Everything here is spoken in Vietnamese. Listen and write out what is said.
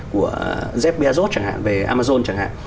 của jeff bezos chẳng hạn về amazon chẳng hạn